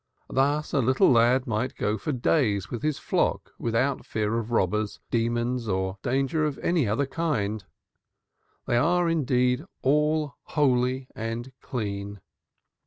Thus a little lad might go for days with his flock without fear of robbers, demons or danger of any other kind; they are, indeed, all holy and clean.